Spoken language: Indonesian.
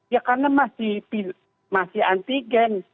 ya karena masih antigen